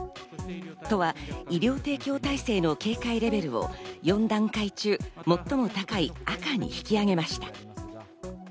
都は医療提供体制の警戒レベルを４段階中最も高い、赤に引き上げました。